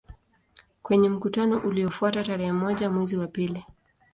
Kwenye mkutano uliofuata tarehe moja mwezi wa pili